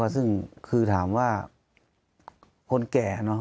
ซึ่งคือถามว่าคนแก่